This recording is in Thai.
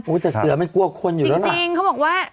โอ้แต่เสือมันกลัวคนอยู่แล้วน่ะจริงเขาบอกว่า